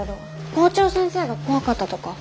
校長先生が怖かったとか？